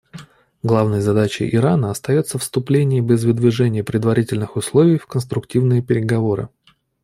Главной задачей Ирана остается вступление без выдвижения предварительных условий в конструктивные переговоры.